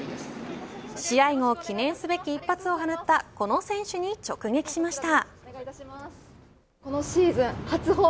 試合後、記念すべき一発を放ったこの選手に直撃しました。